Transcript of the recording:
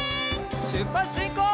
しゅっぱつしんこう！